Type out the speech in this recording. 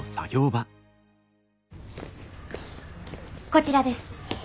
こちらです。